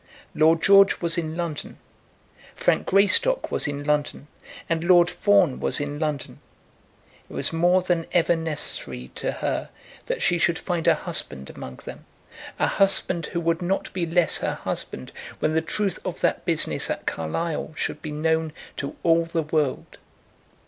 Lord George was in London, Frank Greystock was in London, and Lord Fawn was in London. It was more than ever necessary to her that she should find a husband among them, a husband who would not be less her husband when the truth of that business at Carlisle should be known to all the world.